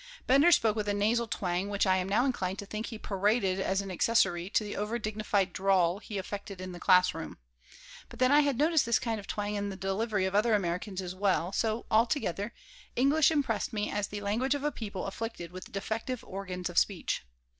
Bender spoke with a nasal twang which I am now inclined to think he paraded as an accessory to the over dignified drawl he affected in the class room. But then I had noticed this kind of twang in the delivery of other Americans as well, so, altogether, English impressed me as the language of a people afflicted with defective organs of speech.